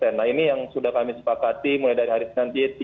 nah ini yang sudah kami sepakati mulai dari hari nanti